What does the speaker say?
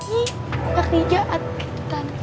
ini kerjaan kita